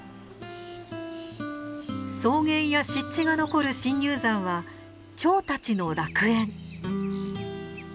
草原や湿地が残る深入山はチョウたちの楽園。